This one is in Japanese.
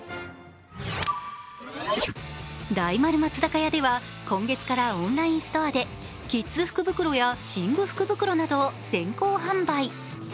大丸松坂屋では今月からオンラインストアでキッズ福袋や寝具福袋などを先行販売。